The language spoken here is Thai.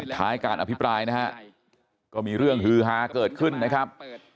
ท้ายการอภิปรายนะฮะก็มีเรื่องฮือฮาเกิดขึ้นนะครับ